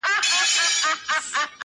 کږه غاړه توره نه وهي.